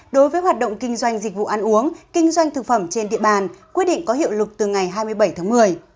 đối với hoạt động kinh doanh dịch vụ ăn uống kinh doanh thực phẩm trên địa bàn quyết định có hiệu lực từ ngày hai mươi bảy tháng một mươi